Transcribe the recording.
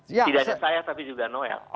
tidak hanya saya tapi juga noel